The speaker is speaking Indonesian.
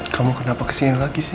kamu kenapa kesini lagi sih